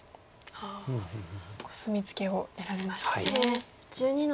コスミツケを選びましたね。